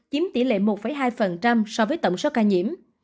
chiếm tỷ lệ một hai so với tổng số ca nhiễm